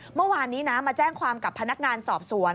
เมื่อวานนี้นะมาแจ้งความกับพนักงานสอบสวน